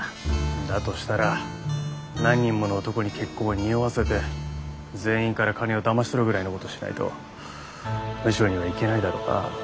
だとしたら何人もの男に結婚を匂わせて全員から金をだまし取るぐらいのことしないとムショには行けないだろうな。